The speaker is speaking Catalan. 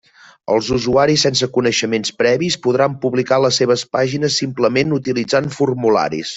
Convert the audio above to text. Els usuaris sense coneixements previs podran publicar les seves pàgines simplement utilitzant formularis.